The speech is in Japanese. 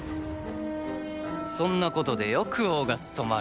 そんなことでよく王が務まるな。